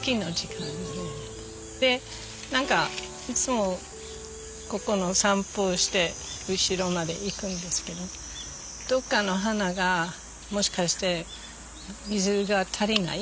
で何かいつもここの散歩して後ろまで行くんですけどどっかの花がもしかして水が足りない。